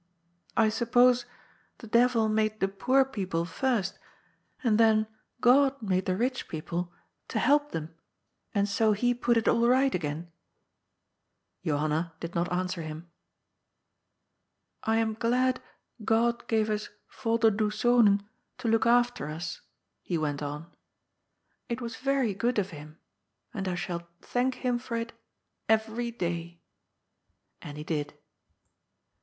" I suppose, the devil made the poor people first, and then God made the rich people to help them, and so he put it all right again ?" Johanna did not answer him. '1 VOLDERDOES ZONEN. 101 ^^ I am glad Ood gave us * Yolderdoes Zonen ' to look after us," he went on. " It was very good of Him. And I shall thank Him for it every day." And he did.